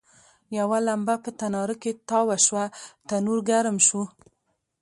یوه لمبه په تناره کې تاوه شوه، تنور ګرم شو.